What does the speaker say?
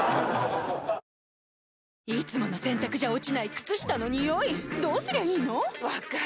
いつもの洗たくじゃ落ちない靴下のニオイどうすりゃいいの⁉分かる。